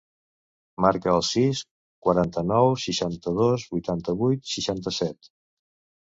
Marca el sis, quaranta-nou, seixanta-dos, vuitanta-vuit, seixanta-set.